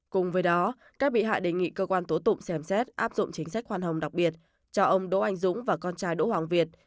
cùng với đó các bị hại đề nghị cơ quan tố tụng xem xét áp dụng chính sách khoan hồng đặc biệt cho ông đỗ anh dũng và con trai đỗ hoàng việt